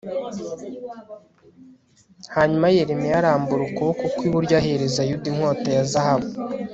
hanyuma yeremiya arambura ukuboko kw'iburyo ahereza yuda inkota ya zahabu